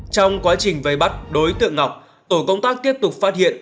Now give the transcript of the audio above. trong quá trình vây bắt đối tượng ngọc tổ công tác tiếp tục phát hiện